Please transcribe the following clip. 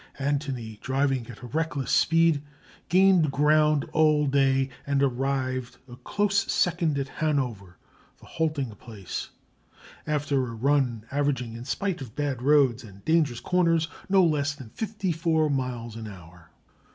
Antony, driving at a reckless speed, gained ground all day, and arrived a close second at Hanover, the halting place, after a run averaging, in spite of bad roads and dangerous corners, no less than 54 miles an hour!